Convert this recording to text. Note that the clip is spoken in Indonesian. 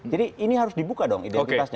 jadi ini harus dibuka dong identitasnya